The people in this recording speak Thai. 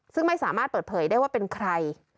ซึ่งไม่สามารถเปิดเผยได้ว่าเป็นใคร